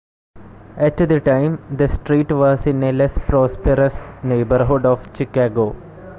At the time, the street was in a less prosperous neighborhood of Chicago.